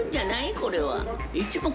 これは。